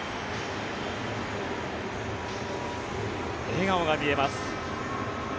笑顔が見えます。